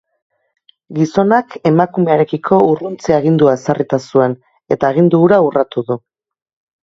Gizonak emakumearekiko urruntze-agindua ezarrita zuen, eta agindu hura urratu du.